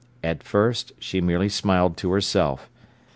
At first she merely smiled to herself.